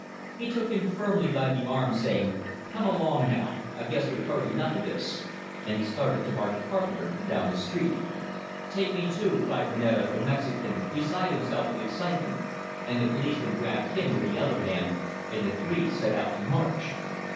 He took him firmly by the arm, saying, "Come along now! I guess we've heard enough o' this;" and he started to march Carpenter down the street. "Take me too!" cried Moneta, the Mexican, beside himself with excitement; and the policeman grabbed him with the other hand, and the three set out to march.